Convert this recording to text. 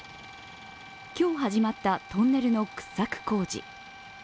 今日始まったトンネルの掘削工事。